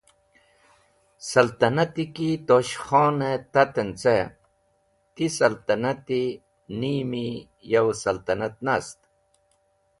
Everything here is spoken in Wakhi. Saltanati ki Tosh Khon taten ce, ti saltanati nimi yow saltanat nast.